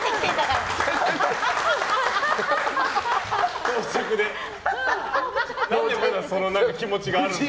なんで到着してその気持ちがあるんだよ。